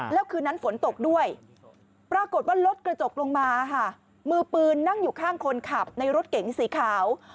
แล้วคืนนั้นฝนตกด้วยปรากฏว่ารถกระจกลงมาค่ะมือปืนนั่งอยู่ข้างคนขับในรถเก๋งสีขาว